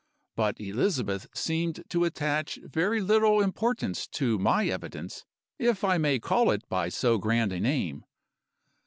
But Elizabeth seemed to attach very little importance to my evidence, if I may call it by so grand a name.